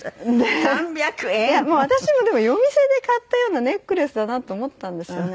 私もでも夜店で買ったようなネックレスだなと思ったんですよね。